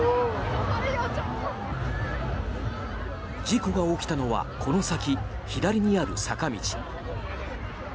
事故が起きたのはこの先左にある坂道。